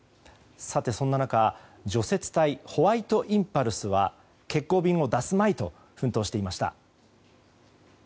そんな中、除雪隊ホワイトインパルスは欠航便を出すまいと奮闘していました。